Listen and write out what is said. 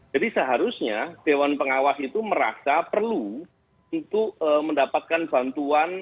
jadi seharusnya dewan pengawas itu merasa perlu mendapatkan bantuan